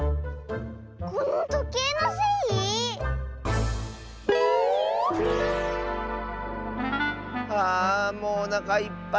このとけいのせい⁉はあもうおなかいっぱい。